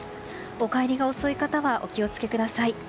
お帰りが遅い方はお気を付けください。